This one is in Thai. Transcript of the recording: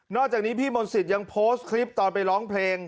จากนี้พี่มนต์สิทธิ์ยังโพสต์คลิปตอนไปร้องเพลง